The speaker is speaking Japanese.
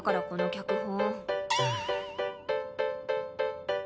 脚本？